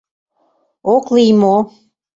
Ок лий мо?